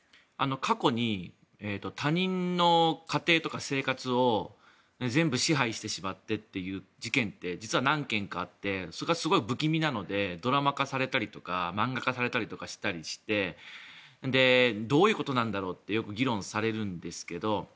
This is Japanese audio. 過去に他人の家庭とか生活を全部支配してしまってっていう事件って実は何件かあってそれがすごい不気味なのでドラマ化されたりとか漫画化されたりとかしたりしてどういうことなんだろうってよく議論されるんですけど